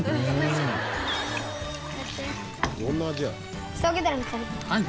どんな味やろ？